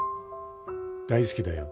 大好きだよ。